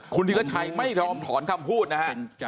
คุณธิรชัยไม่ยอมถอนคำพูดนะฮะ